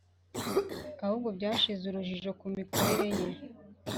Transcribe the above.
ahubwo byashyize urujijo ku mikorere ye.